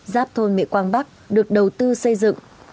giáp thôn mỹ quang bắc được đầu tư xây dựng